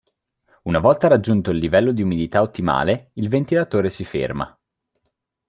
Una volta raggiunto il livello di umidità ottimale il ventilatore si ferma.